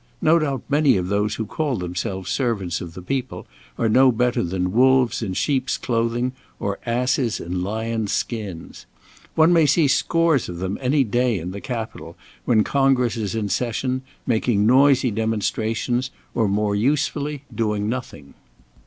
No doubt many of those who call themselves servants of the people are no better than wolves in sheep's clothing, or asses in lions' skins. One may see scores of them any day in the Capitol when Congress is in session, making noisy demonstrations, or more usefully doing nothing.